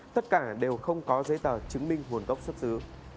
tất cả đều không có giấy tờ chứng minh nguồn gốc xuất xứ